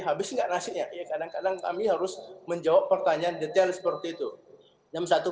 habis enggak nasibnya ya kadang kadang kami harus menjawab pertanyaan detail seperti itu yang satu